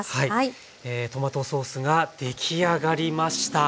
トマトソースが出来上がりました。